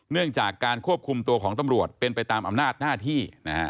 เนื่องจากการควบคุมตัวของตำรวจเป็นไปตามอำนาจหน้าที่